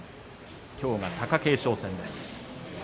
きょうが貴景勝戦です。